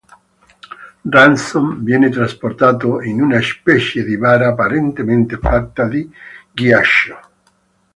Ransom viene trasportato in una specie di bara apparentemente fatta di ghiaccio.